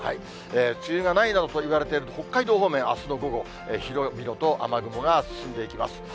梅雨がないなどといわれている北海道方面、あすの午後、広々と雨雲が進んでいきます。